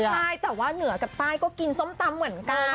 ใช่แต่ว่าเหนือกับใต้ก็กินส้มตำเหมือนกัน